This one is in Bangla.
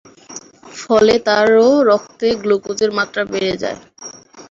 ফলে তারও রক্তে গ্লুকোজের মাত্রা বেড়ে যায়।